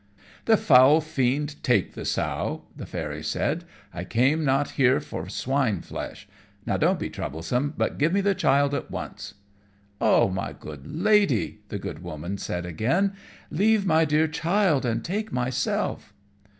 "The foul fiend take the sow," the Fairy said; "I came not here for swine flesh. Now don't be troublesome, but give me the child at once." "Oh! my good Lady," the good Woman again said, "leave my dear child and take myself."